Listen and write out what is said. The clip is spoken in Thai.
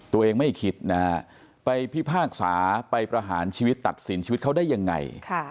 ไม่คิดนะฮะไปพิพากษาไปประหารชีวิตตัดสินชีวิตเขาได้ยังไง